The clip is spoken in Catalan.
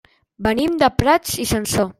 Venim de Prats i Sansor.